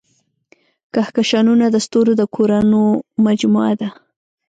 کهکشانونه د ستورو د کورونو مجموعه ده.